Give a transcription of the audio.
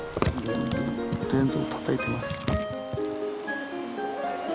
レンズをたたいてます！